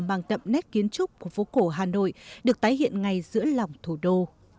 mang tậm nét kiến trúc của phố cổ hà nội được tái hiện ngay giữa lòng thủ đô